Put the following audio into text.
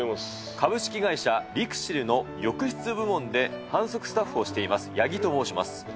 株式会社ＬＩＸＩＬの浴室部門で販促スタッフをしています八木と申します。